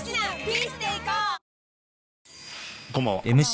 こんばんは。